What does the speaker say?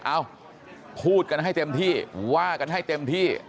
เอ้าพูดกันให้เต็มที่ว่ากันให้เต็มที่